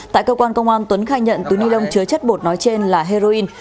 tại cơ quan công an tuấn khai nhận túi ni lông chứa chất bột nói trên là heroin